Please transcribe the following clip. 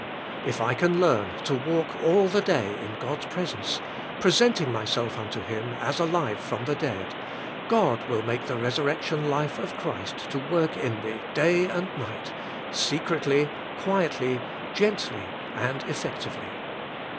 If I can learn to walk all the day in God's presence, present ing* myself unto Him as alive from the dead, God will make the resurrection life of Christ to work in me day and nig ht, secretly, quietly, g ently, and ef fectively.